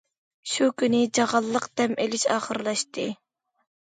شۇ كۈنى، چاغانلىق دەم ئېلىش ئاخىرلاشتى.